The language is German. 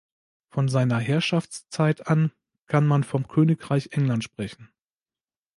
Von seiner Herrschaftszeit an kann man vom Königreich England sprechen.